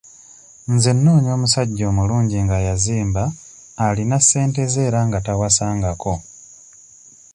Nze noonya omusajja omulungi nga yazimba, alina ssente ze era nga tawasangako.